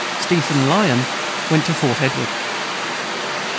Stephen Lyon went to Fort Edward.